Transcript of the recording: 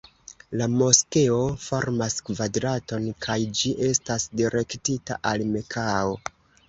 La moskeo formas kvadraton kaj ĝi estas direktita al Mekao.